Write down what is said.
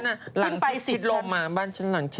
สนับสนุนโดยดีที่สุดคือการให้ไม่สิ้นสุด